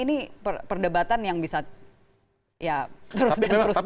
dan ini perdebatan yang bisa ya terus dan terus terjadi